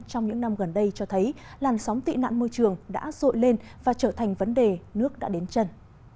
trong những năm gần đây cho thấy làn sóng tị nạn môi trường đã rội lên và trở thành vấn đề nước đã đến chân